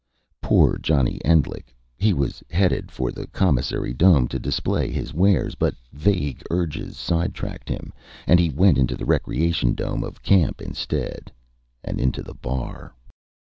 Poor Johnny Endlich. He was headed for the commissary dome to display his wares. But vague urges sidetracked him, and he went into the recreation dome of the camp, instead. And into the bar.